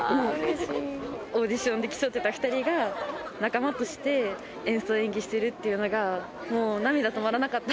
オーディションで競ってた２人が、仲間として演奏、演技してるっていうのが、もう涙止まらなかった。